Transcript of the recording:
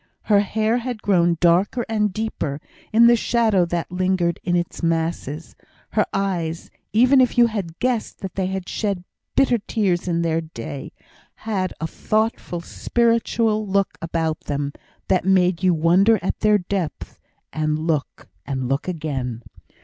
Her hair had grown darker and deeper, in the shadow that lingered in its masses; her eyes, even if you could have guessed that they had shed bitter tears in their day, had a thoughtful, spiritual look about them, that made you wonder at their depth, and look and look again.